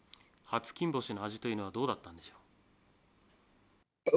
初金星の味というのはどうだったんでしょう？